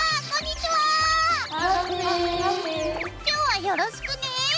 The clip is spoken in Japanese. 今日はよろしくね。